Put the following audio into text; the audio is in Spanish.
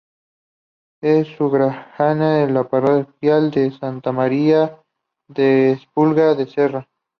Es sufragánea de la parroquial de Santa María de Espluga de Serra.